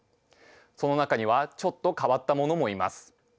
その中にはちょっと変わったものもいます。